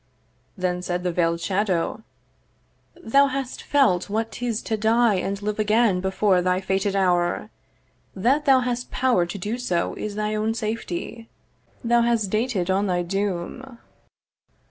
Then said the veiled shadow 'Thou hast felt 'What 'tis to die and live again before 'Thy fated hour. That thou hadst power to do so 'Is thy own safety; thou hast dated on 'Thy doom.'